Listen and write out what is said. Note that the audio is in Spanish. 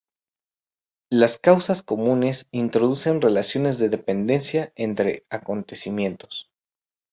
Las causas comunes introducen relaciones de dependencia entre acontecimientos.